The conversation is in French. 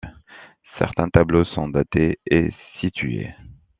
Certains tableaux sont datés et situés.